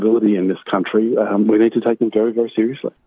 di negara ini kita harus mengambil mereka dengan sangat serius